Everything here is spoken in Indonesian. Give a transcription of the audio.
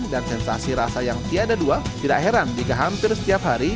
dan sensasi rasa yang tiada dua tidak heran jika hampir setiap hari